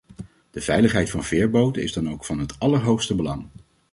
De veiligheid van veerboten is dan ook van het allerhoogste belang.